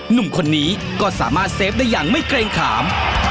หนุ่มคนนี้ก็สามารถเซฟได้อย่างไม่เกรงขาม